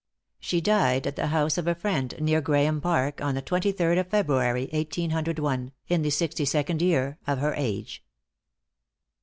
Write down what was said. She died at the house of a friend near Graeme Park, on the twenty third of February, 1801, in the sixty second year of her age.